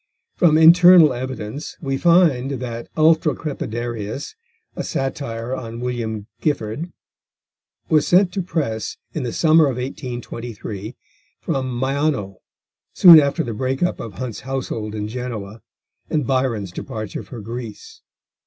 From internal evidence we find that Ultra crepidarius; a Satire on William Gifford, was sent to press in the summer of 1823, from Maiano, soon after the break up of Hunt's household in Genoa, and Byron's departure for Greece.